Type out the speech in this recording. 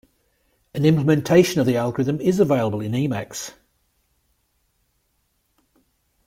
An implementation of the algorithm is available in Emacs.